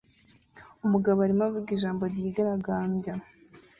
Umugabo arimo avuga ijambo ryigaragambyaga